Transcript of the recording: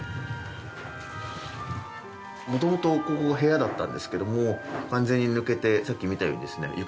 元々ここは部屋だったんですけども完全に抜けてさっき見たようにですね